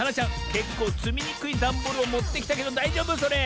けっこうつみにくいダンボールをもってきたけどだいじょうぶそれ？